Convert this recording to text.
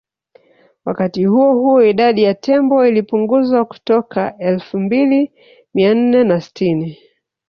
Wakati huo huo idadi ya tembo ilipunguzwa kutoka Elfu mbili mia nne na sitini